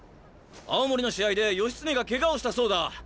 青森の試合で義経がケガをしたそうだ。